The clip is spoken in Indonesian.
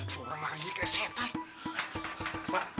seorang lagi kayak senter